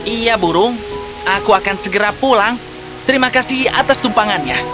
iya burung aku akan segera pulang terima kasih atas tumpangannya